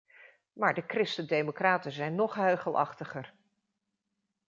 Maar de christen-democraten zijn nog huichelachtiger.